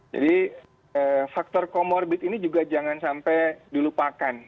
jadi faktor komorbit ini juga jangan sampai dilupakan